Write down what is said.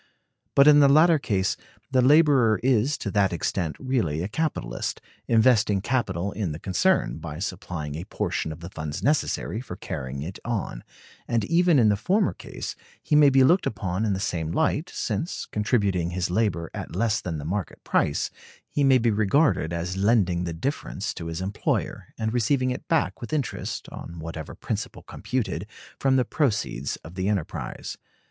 But in the latter case the laborer is to that extent really a capitalist, investing capital in the concern, by supplying a portion of the funds necessary for carrying it on; and even in the former case he may be looked upon in the same light, since, contributing his labor at less than the market price, he may be regarded as lending the difference to his employer, and receiving it back with interest (on whatever principle computed) from the proceeds of the enterprise.